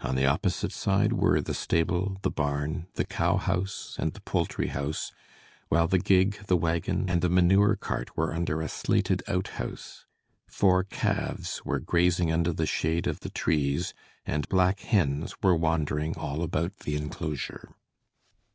On the opposite side were the stable, the barn, the cow house and the poultry house, while the gig, the wagon and the manure cart were under a slated outhouse. Four calves were grazing under the shade of the trees and black hens were wandering all about the enclosure.